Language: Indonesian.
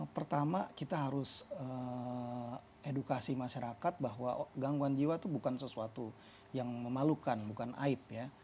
pertama kita harus edukasi masyarakat bahwa gangguan jiwa itu bukan sesuatu yang memalukan bukan aib ya